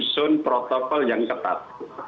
penyusun protokol yang ketat